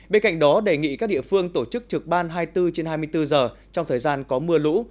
bên cạnh đó đề nghị các địa phương tổ chức trực ban hai mươi bốn trên hai mươi bốn giờ trong thời gian có mưa lũ